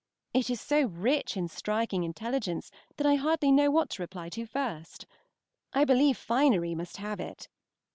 It is so rich in striking intelligence that I hardly know what to reply to first. I believe finery must have it.